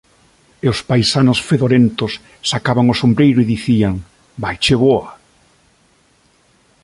E os paisanos fedorentos sacaban o sombreiro e dicían: «Vaiche boa».